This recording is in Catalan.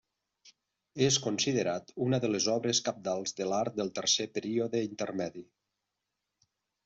És considerat una de les obres cabdals de l'art del tercer període intermedi.